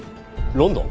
ロンドン。